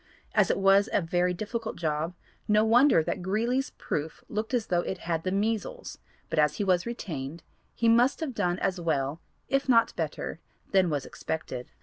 As it was a very difficult job no wonder that Greeley's proof looked as though it had the measles, but as he was retained he must have done as well if not better than was expected.